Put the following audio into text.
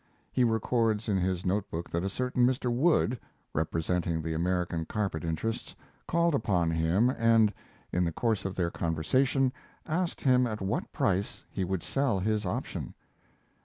He records in his note book that a certain Mr. Wood, representing the American carpet interests, called upon him and, in the course of their conversation, asked him at what price he would sell his option.